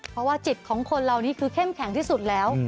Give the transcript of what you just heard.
เพราะว่าจิตของคนเรานี่คือเข้มแข็งที่สุดแล้ว